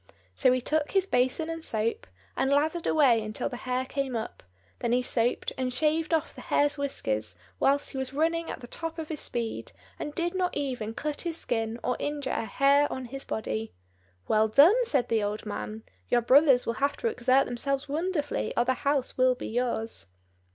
So he took his basin and soap, and lathered away until the hare came up; then he soaped and shaved off the hare's whiskers whilst he was running at the top of his speed, and did not even cut his skin or injure a hair on his body. "Well done!" said the old man. "Your brothers will have to exert themselves wonderfully, or the house will be yours."